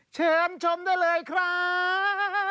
เชิญชมได้เลยครับ